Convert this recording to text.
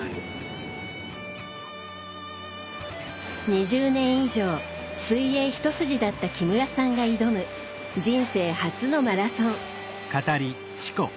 ２０年以上水泳一筋だった木村さんが挑む人生初のマラソン。